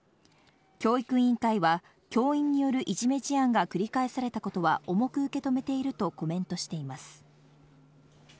教育委員会は教員によるいじめ事案が繰り返されたことは重く受け止めているとコメントしています。